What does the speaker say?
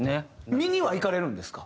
見には行かれるんですか？